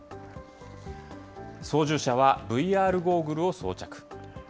操縦者はＶＲゴーグルを装着。